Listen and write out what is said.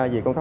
vì công tác